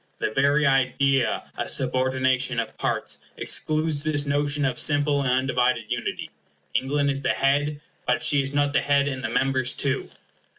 The very idea of subordination of parts excludes this notion of simple and undivided unity. England is the head; but she is not the head and the members too.